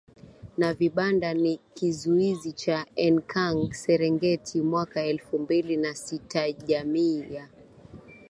na vibanda na kizuizi cha Enkang Serengeti mwaka elfu mbili na sitaJamii ya